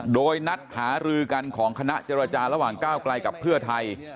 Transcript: โดยนัดหารือกันของคณะเจรจาระหว่างก้าวไกลกับเพื่อไทย